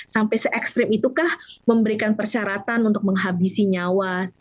sampai se ekstrim itukah memberikan persyaratan untuk menghabisi nyawa